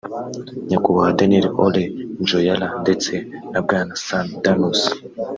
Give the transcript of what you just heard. Nyakubahwa Daniel Ole Njoolay ndetse na Bwana Sanu Danusi